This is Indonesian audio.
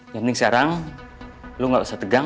yang penting sekarang lu gak usah tegang